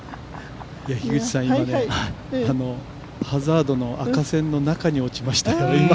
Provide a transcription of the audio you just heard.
樋口さん、今、ハザードの赤線の中に落ちましたよ、今。